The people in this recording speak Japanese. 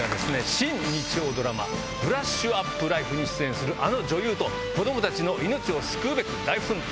新日曜ドラマ『ブラッシュアップライフ』に出演するあの女優と子供たちの命を救うべく大奮闘。